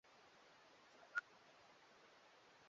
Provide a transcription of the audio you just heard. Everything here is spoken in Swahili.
Serikali inapaswa kuwa na mipango imara inayotekelezeka